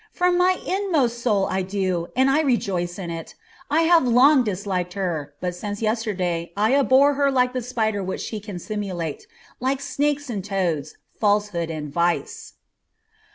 From my inmost soul I do, and I rejoice in it. I have long disliked her, but since yesterday I abhor her like the spider which she can simulate, like snakes and toads, falsehood and vice."